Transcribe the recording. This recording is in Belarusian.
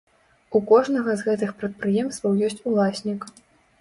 У кожнага з гэтых прадпрыемстваў ёсць уласнік.